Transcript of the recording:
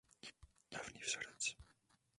Správný vzorec.